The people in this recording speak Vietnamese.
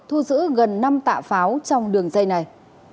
thu giữ gần năm tạ pháo trong đường dây này